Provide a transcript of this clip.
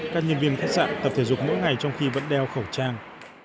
các nhân viên khách sạn tập thể dục mỗi ngày trong khi vẫn đeo khẩu trang